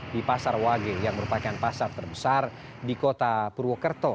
di pasar wage yang merupakan pasar terbesar di kota purwokerto